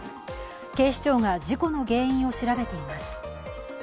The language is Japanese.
警視庁が事故の原因を調べています。